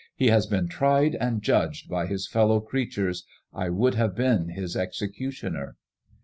He has been tried and judged by his fellow creatures ; I would have been his executioner."